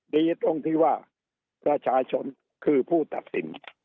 ดีตรงที่ว่าประชาชนคือผู้ตัดสิน